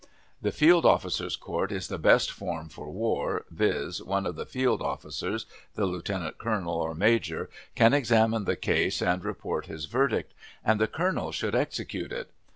The field officers' court is the best form for war, viz., one of the field officers the lieutenant colonel or major can examine the case and report his verdict, and the colonel should execute it.